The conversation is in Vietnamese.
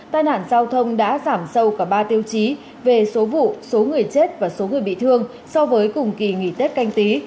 tai nạn giao thông đã giảm sâu cả ba tiêu chí về số vụ số người chết và số người bị thương so với cùng kỳ nghỉ tết canh tí